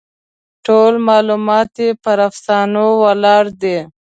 ټول معلومات یې پر افسانو ولاړ دي.